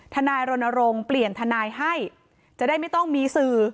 ทนายรณรงค์เปลี่ยนทนายให้จะได้ไม่ต้องมีสื่อ